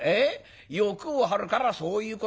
欲を張るからそういうことになる」。